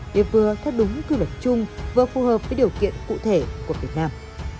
để vừa theo đúng quy luật chung vừa phù hợp với điều kiện cụ thể của việt nam